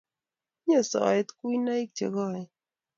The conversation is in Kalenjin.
Tinyei soet kuinoik che koen